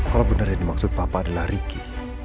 kalau bener ini maksud papa adalah ricky